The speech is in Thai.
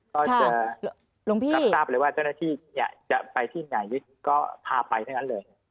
ก็จะรับทราบเลยว่าเจ้าหน้าที่จะไปที่ไหนก็พาไปทั้งนั้นเลย